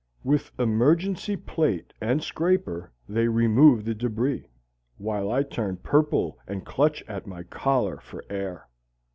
With emergency plate and scraper they remove the debris, while I turn purple and clutch at my collar for air.